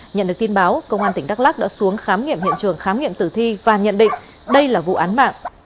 nhận được tin báo công an tỉnh đắk lắc đã xuống khám nghiệm hiện trường khám nghiệm tử thi và nhận định đây là vụ án mạng